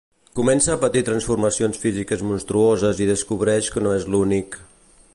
Comença a patir transformacions físiques monstruoses i descobreix que no és l'únic…